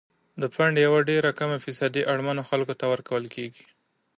د فنډ یوه ډیره کمه فیصدي اړمنو خلکو ته ورکول کیږي.